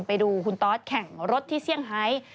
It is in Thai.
ไปดูคุณตอสแข่งรถที่เซี่ยงไฮ